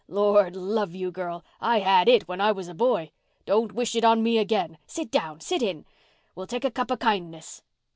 Lord love you, girl, I had it when I was a boy. Don't wish it on me again. Sit down—sit in. We'll tak' a cup o' kindness."